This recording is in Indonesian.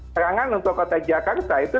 serangan untuk kota jakarta itu